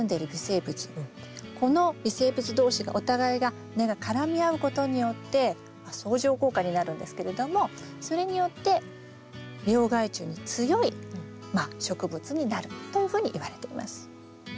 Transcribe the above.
この微生物同士がお互いが根が絡み合うことによって相乗効果になるんですけれどもそれによって病害虫に強い植物になるというふうにいわれています。